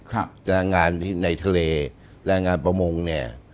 แรงงานในทะเลแรงงานประมงเนี่ย